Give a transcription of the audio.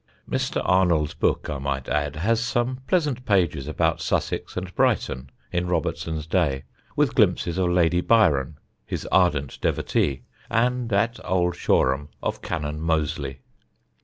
Mr. Arnold's book, I might add, has some pleasant pages about Sussex and Brighton in Robertson's day, with glimpses of Lady Byron, his ardent devotee, and, at Old Shoreham, of Canon Mozley.